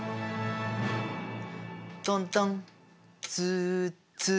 トントンツーツー。